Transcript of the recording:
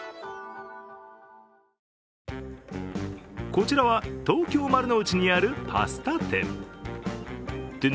こちらは、東京・丸の内にあるパスタ店。